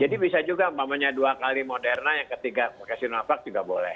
jadi bisa juga umpamanya dua kali moderna yang ketiga pakai sinovac juga boleh